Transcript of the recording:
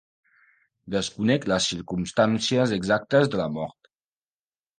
Desconec les circumstàncies exactes de la mort.